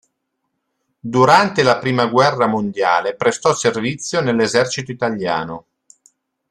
Durante la prima guerra mondiale prestò servizio nell'esercito italiano.